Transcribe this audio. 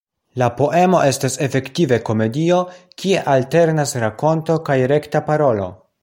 La poemo estas efektive komedio, kie alternas rakonto kaj rekta parolo.